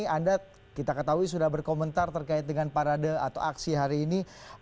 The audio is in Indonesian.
anda kita ketahui sudah berkomentar terkait dengan parade atau aksi hari ini